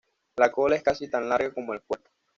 La cola es casi tan larga como el cuerpo.